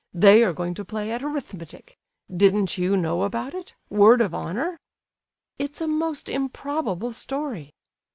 They are going to play at arithmetic—didn't you know about it? Word of honour?" "It's a most improbable story."